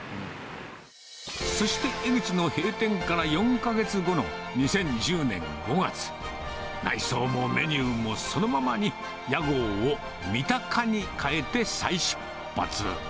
そして、江ぐちの閉店から４か月後の２０１０年５月、内装もメニューもそのままに、屋号をみたかに変えて再出発。